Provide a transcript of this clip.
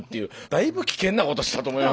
だいぶ危険なことしたと思いますよ。